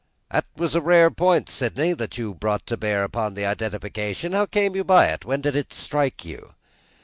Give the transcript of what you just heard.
"That was a rare point, Sydney, that you brought to bear upon the identification. How did you come by it? When did it strike you?"